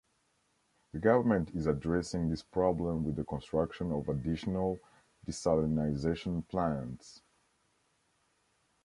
The government is addressing this problem with the construction of additional desalinization plants.